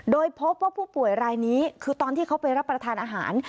โดยพบว่าผู้ป่วยรายนี้คือตอนที่เขาไปรับประทานอาหาร